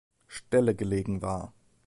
Stelle gelegen war.